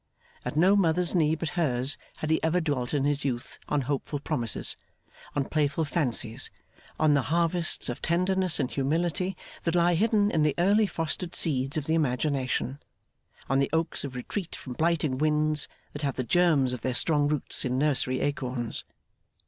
At no Mother's knee but hers had he ever dwelt in his youth on hopeful promises, on playful fancies, on the harvests of tenderness and humility that lie hidden in the early fostered seeds of the imagination; on the oaks of retreat from blighting winds, that have the germs of their strong roots in nursery acorns.